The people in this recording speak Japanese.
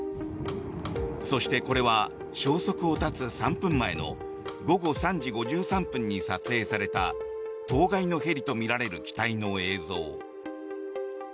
そして、これは消息を絶つ３分前の午後３時５３分に撮影された当該のヘリとみられる機体の映像。